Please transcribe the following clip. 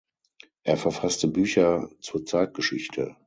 Er verfasste Bücher zur Zeitgeschichte.